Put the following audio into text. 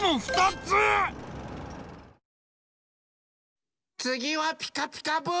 つぎは「ピカピカブ！」ですよ！